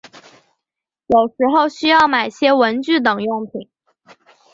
有时候需要买些文具等用品